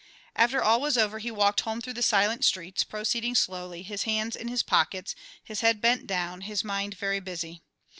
After all was over he walked home through the silent streets, proceeding slowly, his hands in his pockets, his head bent down, his mind very busy.